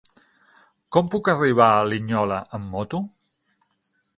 Com puc arribar a Linyola amb moto?